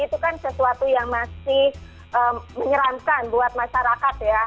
itu kan sesuatu yang masih menyeramkan buat masyarakat ya